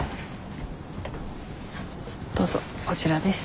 どうぞこちらです。